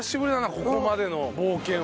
ここまでの冒険は。